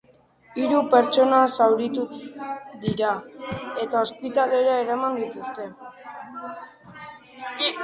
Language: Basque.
Hiru pertsona zauritu dira, eta ospitalera eraman dituzte.